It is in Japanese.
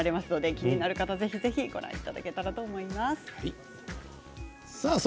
気になる方は、ぜひぜひご覧いただけたらと思います。